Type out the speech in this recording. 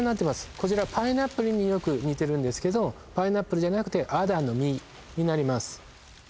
こちらパイナップルによく似てるんですけどパイナップルじゃなくてアダンの実になります